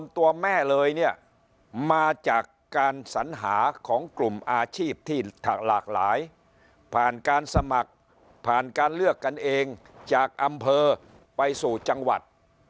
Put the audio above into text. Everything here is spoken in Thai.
ตัวแม่เลยเนี่ยมาจากการสัญหาของกลุ่มอาชีพที่หลากหลายผ่านการสมัครผ่านการเลือกกันเองจากอำเภอไปสู่จังหวัด